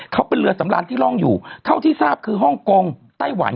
เขาเป็นเรือสำราญที่ร่องอยู่เท่าที่ทราบคือฮ่องกงไต้หวัน